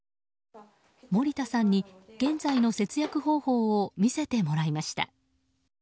森田さんに現在の節約方法を見せてもらいました。